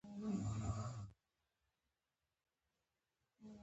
دلته د اوستا کتاب لیکل شوی چې د زردشتیانو سپیڅلی کتاب دی